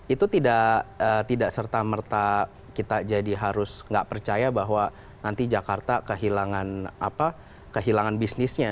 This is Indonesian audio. itu tidak serta merta kita jadi harus nggak percaya bahwa nanti jakarta kehilangan bisnisnya